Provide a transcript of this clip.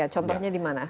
contohnya di mana